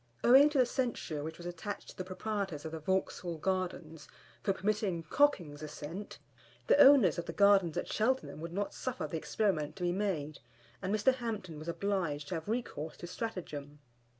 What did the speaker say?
Owing to the censure which was attached to the proprietors of the Vauxhall Gardens, for permitting docking's ascent, the owners of the Gardens at Cheltenham would not suffer the experiment to be made, and Mr. Hampton was obliged to have recourse to stratagem.